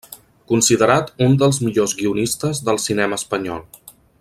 Considerat un dels millors guionistes del Cinema Espanyol.